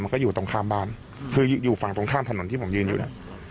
ก็อยู่ตรงข้ามบ้านคืออยู่ฝั่งตรงข้ามถนนที่ผมยืนอยู่เนี่ย